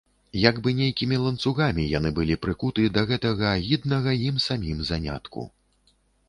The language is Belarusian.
Як бы нейкімі ланцугамі яны былі прыкуты да гэтага агіднага ім самім занятку.